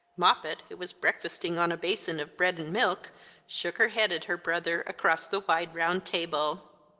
Moppet, who was breakfasting on a basin of bread and milk, shook her head at her brother across the wide, round table.